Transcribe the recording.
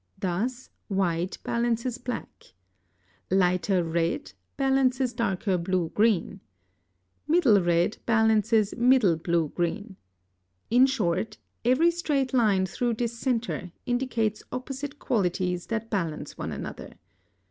Thus white balances black. Lighter red balances darker blue green. Middle red balances middle blue green. In short, every straight line through this centre indicates opposite qualities that balance one another.